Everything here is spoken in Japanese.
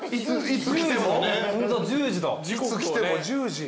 いつ来ても十時。